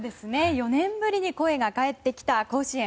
４年ぶりに声が帰ってきた甲子園。